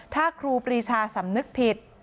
ถ้าครูปรีชาสำนึกผิด